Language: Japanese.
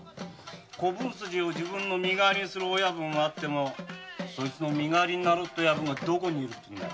子分筋を自分の身代わりにする親分はあっても子分の身代わりになろうって親分がどこに居るってんだ